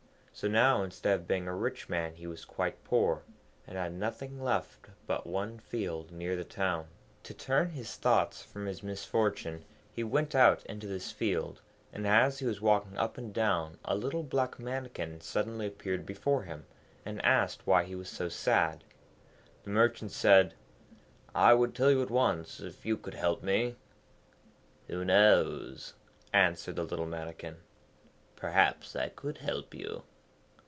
So now instead of being a rich man he was quite poor, and had nothing left but one field near the town. To turn his thoughts from his misfortune, he went out into this field, and as he was walking up and down a little black Mannikin suddenly appeared before him, and asked why he was so sad. The Merchant said, 'I would tell you at once, if you could help me.' 'Who knows,' answered the little Mannikin. 'Perhaps I could help you.'